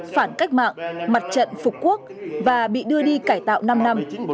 phạm hổ là một tổ chức phản cách mạng mặt trận phục quốc và bị đưa đi cải tạo năm năm